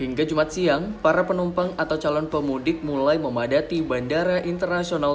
hingga jumat siang para penumpang atau calon pemudik mulai memadati bandara internasional